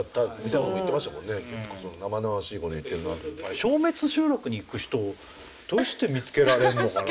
消滅集落に行く人をどうして見つけられるのかな。